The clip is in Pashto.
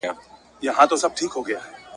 ماشومانو په اوبو کې غوپې وهلې او لوبې یې کولې.